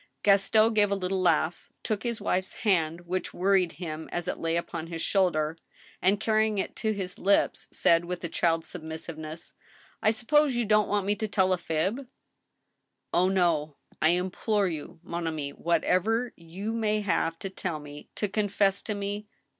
Gaston gave a little laugh, took his wife's hand, which worried him as it lay upon his shoulder, and, carrying it to his lips, said, with a child's submissiveness :" I suppose you don't want me to tell a fib ?"" Oh, no ! I implore you, mon ami, whatever you may have to tell me, ... to confess to me